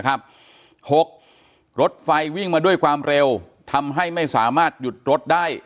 ๖รถไฟวิ่งมาด้วยความเร็วทำให้ไม่สามารถหยุดรถได้